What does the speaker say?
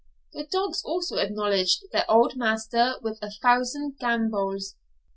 The dogs also acknowledged their old master with a thousand gambols.